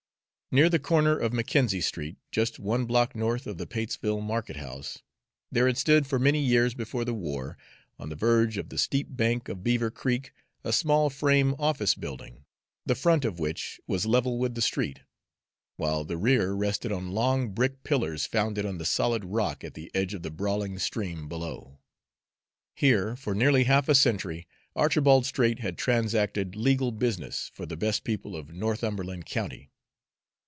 Near the corner of Mackenzie Street, just one block north of the Patesville market house, there had stood for many years before the war, on the verge of the steep bank of Beaver Creek, a small frame office building, the front of which was level with the street, while the rear rested on long brick pillars founded on the solid rock at the edge of the brawling stream below. Here, for nearly half a century, Archibald Straight had transacted legal business for the best people of Northumberland County.